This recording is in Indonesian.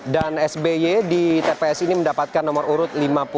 dan sby di tps ini mendapatkan nomor urut lima puluh sembilan